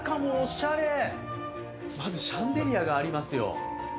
シャンデリアがありますよ。